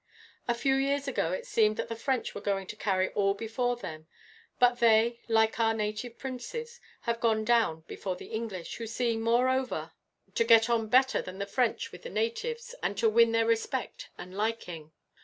A few years ago, it seemed that the French were going to carry all before them; but they, like our native princes, have gone down before the English; who seem, moreover, to get on better than the French with the natives, and to win their respect and liking.